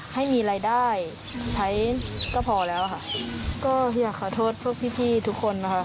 ให้มีรายได้ใช้ก็พอแล้วค่ะก็อยากขอโทษพวกพี่พี่ทุกคนนะคะ